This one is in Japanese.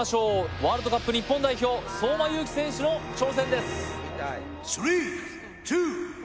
ワールドカップ日本代表、相馬勇紀選手の挑戦です。